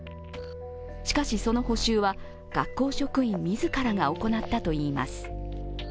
しかし、その補修は学校職員自らが行ったといいます。